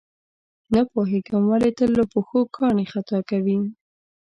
نه پوهېږم ولې تل له پښو کاڼي خطا کوي.